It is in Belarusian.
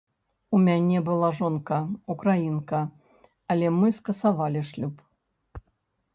У мяне была жонка, украінка, але мы скасавалі шлюб.